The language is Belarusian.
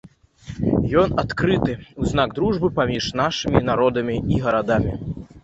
Ён адкрыты ў знак дружбы паміж нашымі народамі і гарадамі.